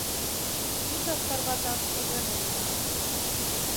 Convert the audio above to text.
Ӱдыр тарваташ коден улына.